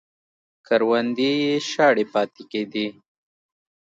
کروندې یې شاړې پاتې کېدې